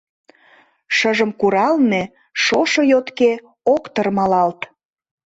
Шыжым куралме шошо йотке ок тырмалалт.